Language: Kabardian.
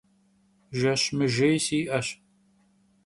Jjeş mıjjêy si'eş.